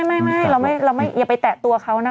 ไม่เราอย่าไปแตะตัวเขานะคะ